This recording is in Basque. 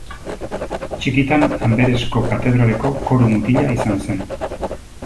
Txikitan Anberesko katedraleko koru-mutila izan zen.